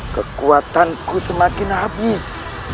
kekuatanku semakin habis